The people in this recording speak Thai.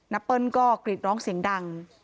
เปิ้ลก็กรีดร้องเสียงดัง